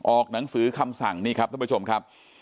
ออกหนังสือคำสั่งนี่ครับท่านผู้ชมครับ